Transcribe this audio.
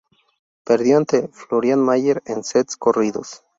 Perdió ante Florian Mayer en sets corridos.